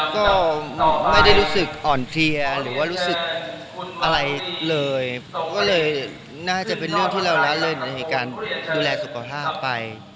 ก็ไม่ได้รู้สึกอ่อนเพลียหรือว่ารู้สึกอะไรเลยก็เลยน่าจะเป็นเรื่องที่เราละเลยในการดูแลสุขภาพไป